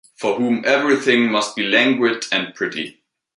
For whom everything must be languid and pretty.